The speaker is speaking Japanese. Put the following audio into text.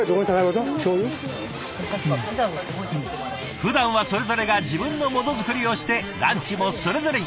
ふだんはそれぞれが自分のものづくりをしてランチもそれぞれに。